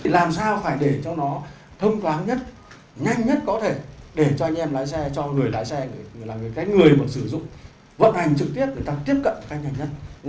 làm sao phải để cho nó thông toán nhất nhanh nhất có thể để cho anh em lái xe cho người lái xe người làm việc cái người mà sử dụng vận hành trực tiếp để ta tiếp cận cái nhanh nhất